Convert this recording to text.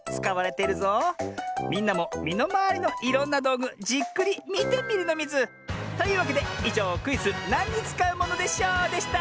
みんなもみのまわりのいろんなどうぐじっくりみてみるのミズ！というわけでいじょうクイズ「なんにつかうものでショー」でした！